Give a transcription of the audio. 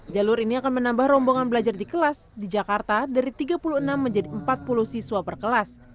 jalur ini akan menambah rombongan belajar di kelas di jakarta dari tiga puluh enam menjadi empat puluh siswa per kelas